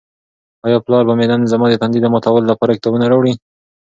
آیا پلار به مې نن زما د تندې د ماتولو لپاره کتابونه راوړي؟